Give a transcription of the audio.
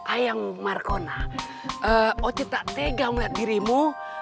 ayang markona oci tak tega melihat dirimu